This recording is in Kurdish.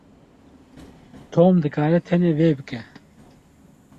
Tom dikare tenê vê bike.